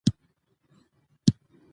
د بښنې خوی خپل کړئ.